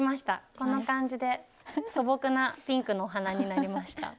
こんな感じで素朴なピンクのお鼻になりました。